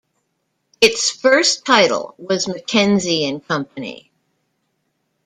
Its first title was "McKenzie and Co".